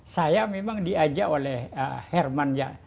saya memang diajak oleh herman ya